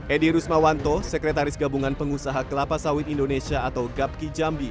edi rusmawanto sekretaris gabungan pengusaha kelapa sawit indonesia atau gapki jambi